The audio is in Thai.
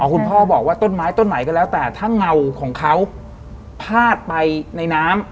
คุณพ่อบอกว่าต้นไม้ต้นไหนก็แล้วแต่ถ้าเงาของเขาพาดไปในน้ำ